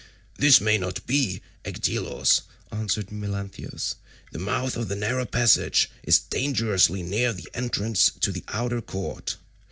"This may not be, Agelaus," answered Melanthius, "the mouth of the narrow passage is dangerously near the entrance to the outer court.